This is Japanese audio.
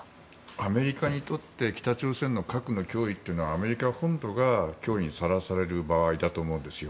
アメリカにとって北朝鮮の核の脅威はアメリカ本土が脅威にさらされる場合だと思うんですよ。